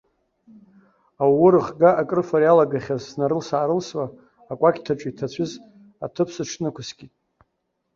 Ауу рыхга акрыфара иалагахьаз снарылс-аарылсуа, акәакьҭаҿы иҭацәыз аҭыԥ сыҽнықәскит.